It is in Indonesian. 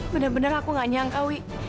bener bener aku gak nyangka wi